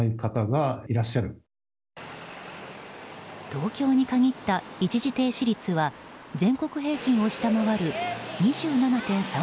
東京に限った一時停止率は全国平均を下回る２７．３％。